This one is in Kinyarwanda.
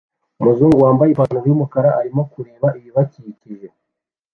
Umuzungu wambaye ipantaro yumukara arimo kureba ibibakikije